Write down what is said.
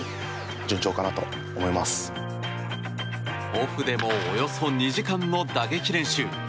オフでもおよそ２時間の打撃練習。